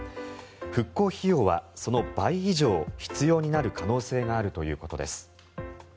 復興費用はその倍以上必要になる可能性があるということです。